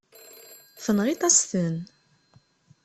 Tenɣiḍ-as-ten.